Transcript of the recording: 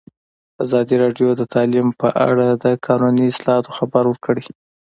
ازادي راډیو د تعلیم په اړه د قانوني اصلاحاتو خبر ورکړی.